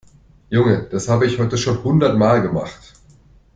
Junge, das habe ich heute schon hundertmal gemacht.